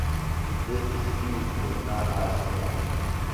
This dispute was not isolated.